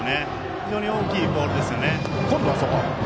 非常に大きいボールですよね。